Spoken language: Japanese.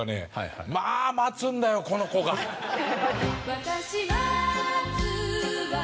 「私待つわ」